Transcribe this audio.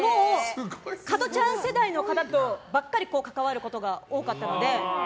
加トちゃん世代の方とばっかり関わることが多かったので。